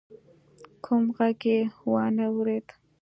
کوم غږ يې وانه ورېد.